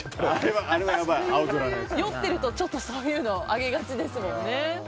酔ってるとそういうの上げがちですもんね。